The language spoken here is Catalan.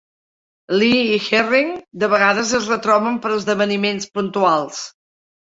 Lee i Herring de vegades es retroben per a esdeveniments puntuals.